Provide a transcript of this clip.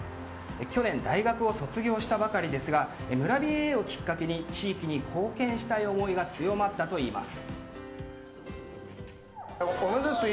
去年、大学を卒業したばかりですが村ＢＡをきっかけに地域に貢献したい思いが強まったといいます。